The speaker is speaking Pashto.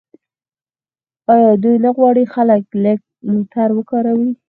آیا دوی نه غواړي خلک لږ موټر وکاروي؟